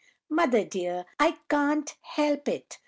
"Mother, dear, I can't help it!"